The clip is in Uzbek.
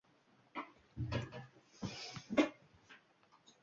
Mahalla xodimlari dona surdi